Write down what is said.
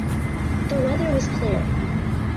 The weather was clear.